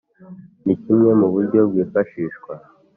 ni kimwe mu buryo bwifashishwa